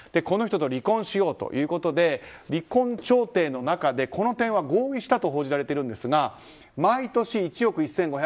この人と離婚しようということで離婚調停の中でこの点は合意したと報じられているんですが毎年１億１５００万円